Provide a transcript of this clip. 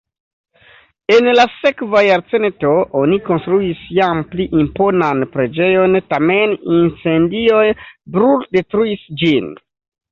En la sekva jarcento oni konstruis jam pli imponan preĝejon, tamen incendioj bruldetruis ĝin.